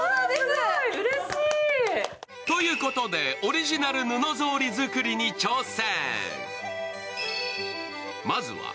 ということで、オリジナル布ぞうり作りに挑戦。